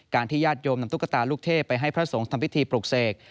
ที่ญาติโยมนำตุ๊กตาลูกเทพไปให้พระสงฆ์ทำพิธีปลูกเสก